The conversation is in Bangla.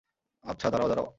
আচ্ছা, দাঁড়াও, দাঁড়াও।